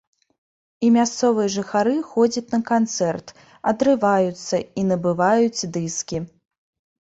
І мясцовыя жыхары ходзяць на канцэрт, адрываюцца, і набываюць дыскі.